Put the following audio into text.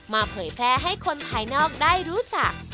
เผยแพร่ให้คนภายนอกได้รู้จัก